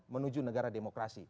menuju negara demokrasi